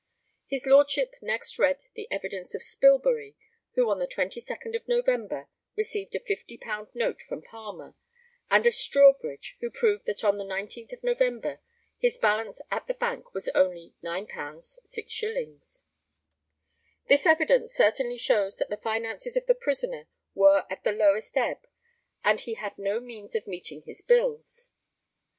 [His Lordship next read the evidence of Spillbury, who on the 22nd of November received a £50 note from Palmer; and of Strawbridge, who proved that on the 19th of November his balance at the bank was only £9 6s.] This evidence certainly shows that the finances of the prisoner were at the lowest ebb, and he had no means of meeting his bills.